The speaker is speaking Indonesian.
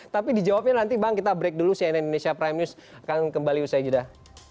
tapi dijawabnya nanti bang kita break dulu cnn indonesia prime news akan kembali usai jeda